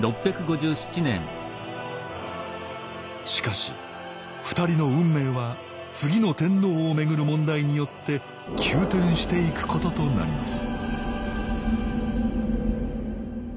しかし２人の運命は次の天皇を巡る問題によって急転していくこととなります